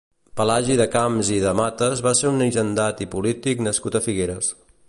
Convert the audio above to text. Pelagi de Camps i de Matas va ser un hisendat i polític nascut a Figueres.